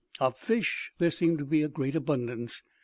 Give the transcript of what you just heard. Of fish there seemed to be a great abundance.